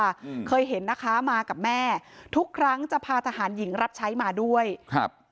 อืมเคยเห็นนะคะมากับแม่ทุกครั้งจะพาทหารหญิงรับใช้มาด้วยครับ